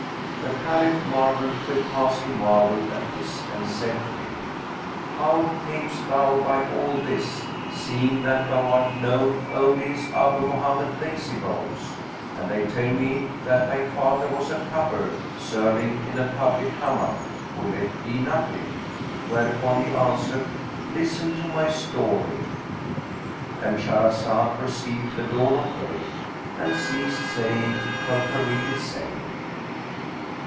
The Caliph marvelled with passing marvel at this and said to him, "How camest thou by all this, seeing that thou art known only as Abu Mohammed Lazybones, and they tell me that thy father was a cupper serving in a public Hammam, who left thee nothing?" Whereupon he answered, "Listen to my story" And Shahrazed perceived the dawn of day and ceased saying her permitted say.